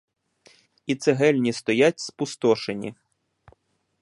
І цегельні стоять спустошені.